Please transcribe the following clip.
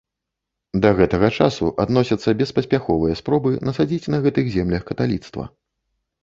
Да таго часу адносяцца беспаспяховыя спробы насадзіць на гэтых землях каталіцтва.